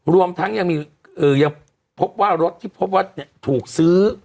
รวมทั้งยังมีเออยังพบว่ารถที่พบว่าเนี่ยถูกซื้อ